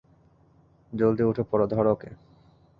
জলদি, উঠে পড়, ধর ওকে।